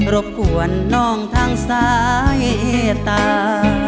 รบกวนน้องทางซ้ายตา